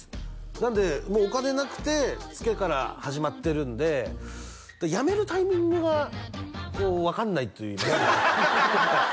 なんでもうお金なくてツケから始まってるんでやめるタイミングが分かんないといいますかハハハハハ！